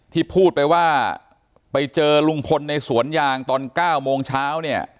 ที่พูดไปว่าไปเจอลุงพลในสวนยางตอน๙โมงเช้าเนี่ย